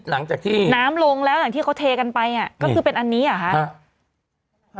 หลังจากที่น้ำลงแล้วอย่างที่เขาเทกันไปอ่ะก็คือเป็นอันนี้เหรอคะ